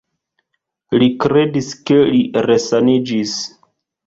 Li kredis, ke li resaniĝis.